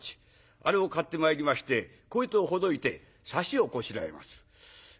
あれを買ってまいりましてこいつをほどいて緡をこしらえます。